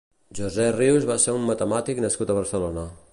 José Rius va ser un matemàtic nascut a Barcelona.